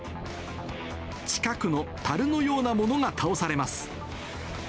近くのたるのようなものが倒されます。